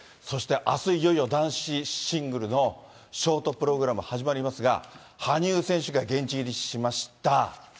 そして、あすいよいよ、男子シングルのショートプログラム始まりますが、羽生選手が現地入りしました。